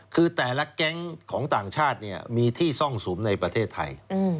คือแต่ละแก๊งของต่างชาติมีที่ซ่องสุมในประเทศไทย